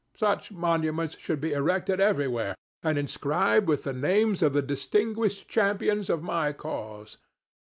Such monuments should be erected everywhere and inscribed with the names of the distinguished champions of my cause.